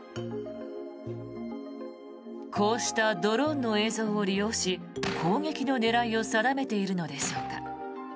こうしたドローンの映像を利用し攻撃の狙いを定めているのでしょうか。